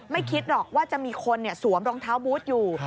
คิดหรอกว่าจะมีคนสวมรองเท้าบูธอยู่